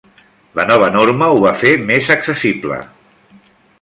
La nova norma ho va fer més accessible.